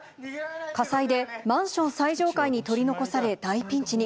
火災でマンション最上階に取り残され、大ピンチに。